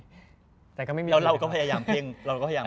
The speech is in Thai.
แล้วเราก็พยายามเพิ่งเราก็พยายามเพิ่งในจอด